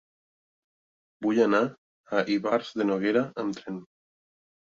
Vull anar a Ivars de Noguera amb tren.